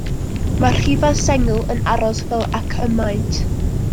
Mae rhifau sengl yn aros fel ag y maent.